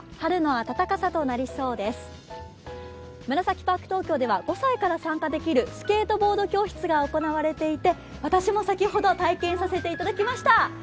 ムラサキパーク東京では５歳から参加できるスケートボード教室が行われていて、私も先ほど体験させていただきました。